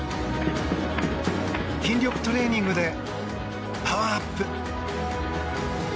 筋力トレーニングでパワーアップ。